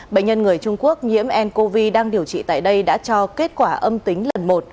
bệnh nhân người trung quốc nhiễm ncov đang điều trị tại đây đã cho kết quả âm tính lần một